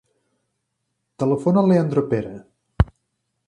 Telefona al Leandro Pera.